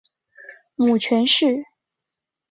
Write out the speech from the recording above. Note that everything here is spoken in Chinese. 母权氏。